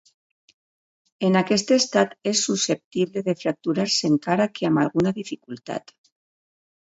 En aquest estat és susceptible de fracturar-se encara que amb alguna dificultat.